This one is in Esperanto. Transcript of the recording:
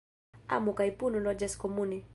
Amo kaj puno loĝas komune.